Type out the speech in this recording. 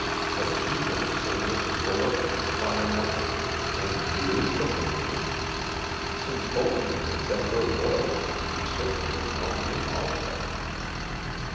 (Had she meant to say Mr. Fullerton, Lyon wondered, and veered from the name? Since Fullerton had been her lawyer, she certainly had known him, also.)